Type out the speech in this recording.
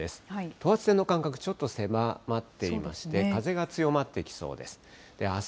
等圧線の間隔、ちょっと狭まっていまして、風が強まっていきそうです。